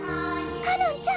かのんちゃん！